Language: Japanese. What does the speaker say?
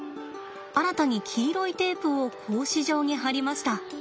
新たに黄色いテープを格子状に貼りました。